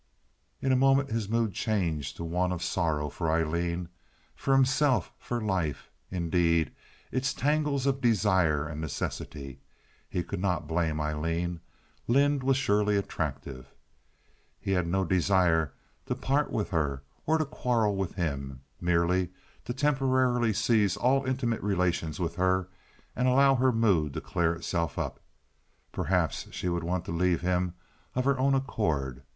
In a moment his mood changed to one of sorrow for Aileen, for himself, for life, indeed—its tangles of desire and necessity. He could not blame Aileen. Lynde was surely attractive. He had no desire to part with her or to quarrel with him—merely to temporarily cease all intimate relations with her and allow her mood to clear itself up. Perhaps she would want to leave him of her own accord.